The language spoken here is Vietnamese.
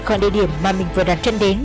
khoảng địa điểm mà mình vừa đặt chân đến